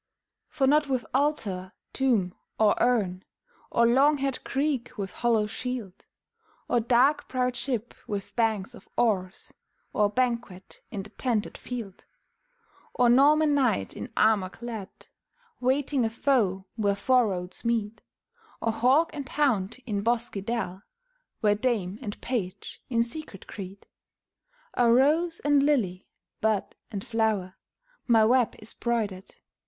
For not with altar, tomb, or urn, Or long haired Greek with hollow shield, Or dark prowed ship with banks of oars, Or banquet in the tented field; Or Norman knight in armor clad, Waiting a foe where four roads meet; Or hawk and hound in bosky dell, Where dame and page in secret greet; Or rose and lily, bud and flower, My web is broidered.